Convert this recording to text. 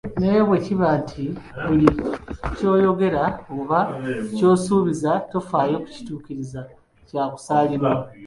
Naye bwe kiba nti buli ky'oyogera oba ky'osuubiza tofaayo kukituukiriza kya kusaalirwa!